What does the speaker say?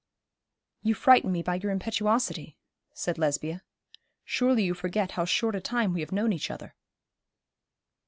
'You frighten me by your impetuosity,' said Lesbia. 'Surely you forget how short a time we have known each other.'